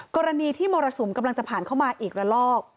กรณีที่มรสุมกำลังจะผ่านเข้ามาอีกระลอก